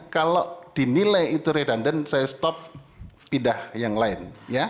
kalau dinilai itu redundant saya stop pindah yang lain